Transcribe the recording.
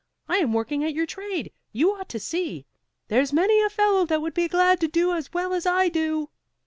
I am working at your trade; you ought to see! there's many a fellow that would be glad to do as well as I do!"